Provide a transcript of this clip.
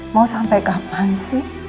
mau sampai kapan sih